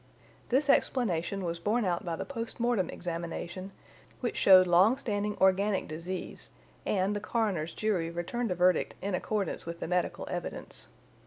This explanation was borne out by the post mortem examination, which showed long standing organic disease, and the coroner's jury returned a verdict in accordance with the medical evidence.